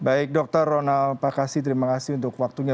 baik dr ronald pak kassi terima kasih untuk waktunya